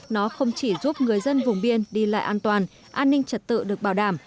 nó không chỉ giúp người dân vùng biên đi lại an toàn an ninh trật tự được bảo đảm